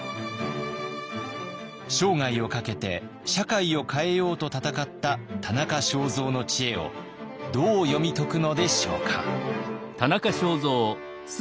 生涯をかけて社会を変えようと闘った田中正造の知恵をどう読み解くのでしょうか。